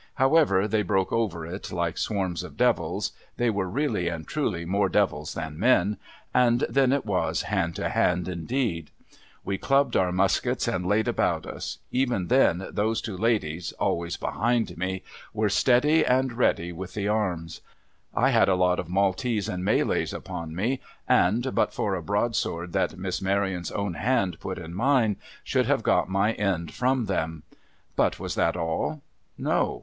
However, they broke over it like swarms of devils — they were, really and truly, more devils than men — and then it was hand to hand, indeed. A\'e clubbed our muskets and laid about us ; even then, those two ladies — always behind me — were steady and ready with the arms. I had a lot of Maltese and Malays upon me, and, but for a broadsword that Miss Maryon's own hand put in mine, should have got my end from them. But, was that all ? No.